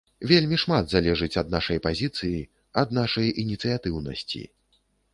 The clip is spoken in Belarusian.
Вельмі шмат залежыць ад нашай пазіцыі, ад нашай ініцыятыўнасці.